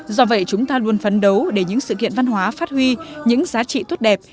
do vậy chúng ta luôn phấn đấu để những sự kiện văn hóa phát huy những giá trị tốt đẹp